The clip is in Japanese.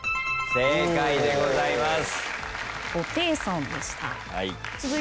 正解でございます。